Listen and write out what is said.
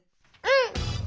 うん！